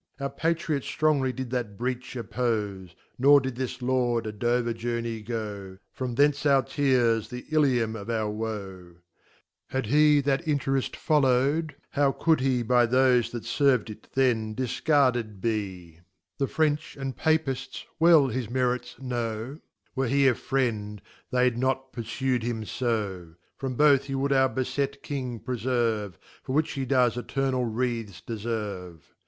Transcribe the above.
Our Patriot Orongly did that Breach oppofe, No> dktthfe Lord a IWer Journey go, * From thence oHrteafs) thefl'mm of our woe~ Had he that Inter'eft foflow'd, how could he By thofe that ferv'd it then discarded be ?* Riyc? hit own expreflion , Medal, pag. 5, The The French and Papifls well his Merits know. Were he a friend, they'd not puruYd him fo : From both he would our befet Kingpreferve For. which he does Eternal wreaths deferve.